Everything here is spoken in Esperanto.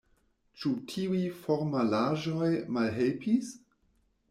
Ĉu tiuj formalaĵoj malhelpis?